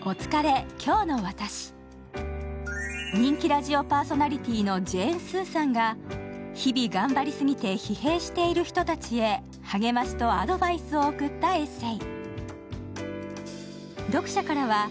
人気ラジオパーソナリティーのジェーン・スーさんが日々頑張りすぎて疲弊している人たちへ励ましとアドバイスを送ったエッセー。